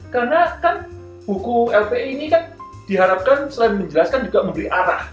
karena kan buku lpi ini kan diharapkan selain menjelaskan juga memberi arah